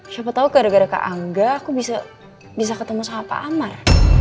siapa tahu gara gara kak angga aku bisa ketemu sama pak amar